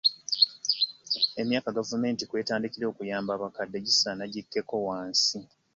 Emyaka gavumenti kw'etandikira okuyamba abakadde gisaana gikkeko wansi.